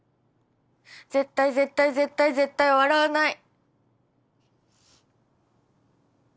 絶対絶対絶対絶対笑わない。